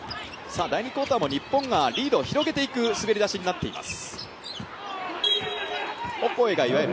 第２クオーターも日本がリードを広げていく滑り出しになっています。